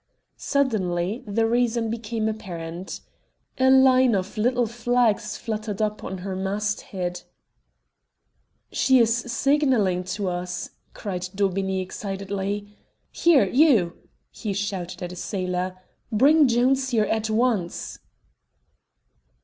Suddenly the reason became apparent. A line of little flags fluttered up to her masthead. "She is signalling us," cried Daubeney excitedly. "Here you," he shouted to a sailor, "bring Jones here at once."